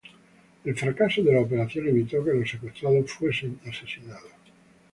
El fracaso de la operación evitó que los secuestrados fuesen asesinados.